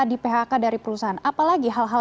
di phk dari perusahaan apalagi hal hal